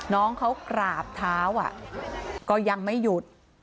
น้องเขากราบเท้าก็ยังไม่หยุด